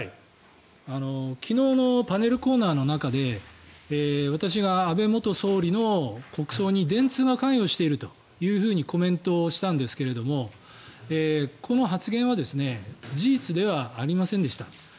昨日のパネルコーナーの中で私が安倍元総理の国葬に電通が関与しているというふうにコメントしたんですけれどもこの発言は事実ではありませんでした。